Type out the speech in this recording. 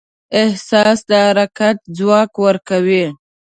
احساس د حرکت ځواک ورکوي.